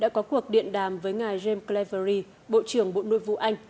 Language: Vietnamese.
đã có cuộc điện đàm với ngài james clevery bộ trưởng bộ nội vụ anh